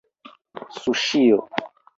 suŝio